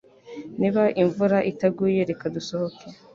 Niba imvura itaguye, reka dusohoke